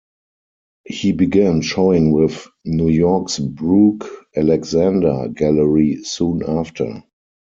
He began showing with New York's Brooke Alexander Gallery soon after.